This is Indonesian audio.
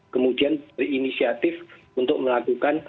kemudian berinisiatif untuk melakukan